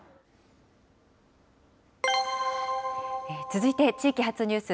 続いて地域発ニュース。